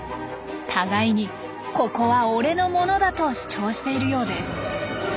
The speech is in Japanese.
互いに「ここは俺のものだ！」と主張しているようです。